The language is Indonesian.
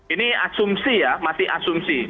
ini asumsi ya masih asumsi